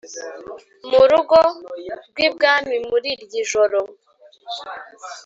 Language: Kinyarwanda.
murugo rwibwami muri ry’ijoro